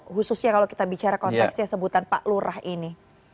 khususnya kalau kita bicara konteksnya sebutan pak lurah ini